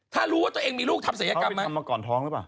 ถ้ารู้ว่าตัวเองมีลูกทำเสียกรรมไหม